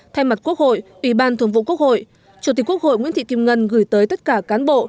thay mặt quốc hội ủy ban thường vụ quốc hội chủ tịch quốc hội nguyễn thị kim ngân gửi tới tất cả cán bộ